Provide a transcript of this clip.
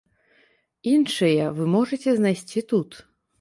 Іншыя вы можаце знайсці тут.